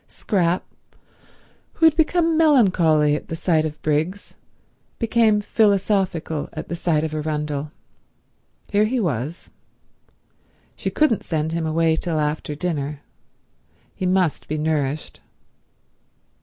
Scrap, who had become melancholy at the sight of Briggs, became philosophical at the sight of Arundel. Here he was. She couldn't send him away till after dinner. He must be nourished.